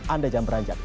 anda jangan beranjak